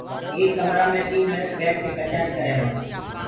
ايڪ ڪمرآ مي تين منک ٻيٺ ڪي ڪچآري ڪرريهرآ تآ